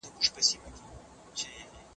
ډاکټر ناروغ ته وویل چي خپل درمل پر وخت وخوري.